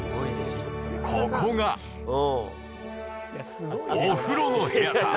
ここがお風呂の部屋さ。